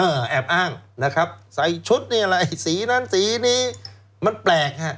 แอบอ้างนะครับใส่ชุดนี่อะไรสีนั้นสีนี้มันแปลกฮะ